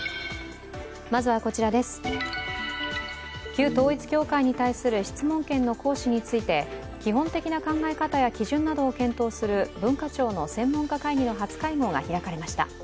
旧統一教会に対する質問権の行使について基本的な考え方や基準などを検討する文化庁の専門家会議の初会合が開かれました。